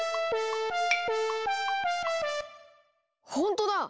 ほんとだ！